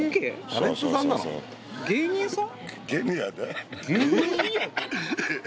芸人さん？